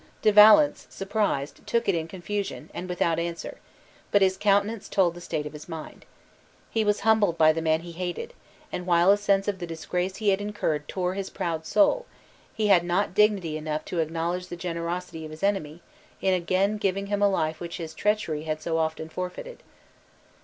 De Valence, surprised, took it in confusion, and without answer; but his countenance told the state of his mind. He was humbled by the man he hated; and while a sense of the disgrace he had incurred tore his proud soul, he had not dignity enough to acknowledge the generosity of his enemy in again giving him a life which his treachery had so often forfeited.